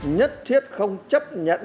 nhất thiết không chấp nhận